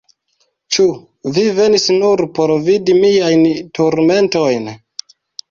Ĉu vi venis nur por vidi miajn turmentojn?